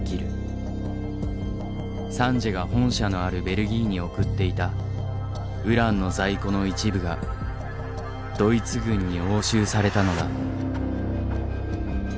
サンジエが本社のあるベルギーに送っていたウランの在庫の一部がドイツ軍に押収されたのだ。